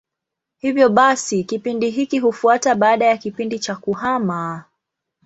Hivyo basi kipindi hiki hufuata baada ya kipindi cha kuhama.